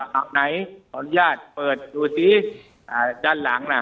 ขออนุญาตเปิดดูสิด้านหลังนะ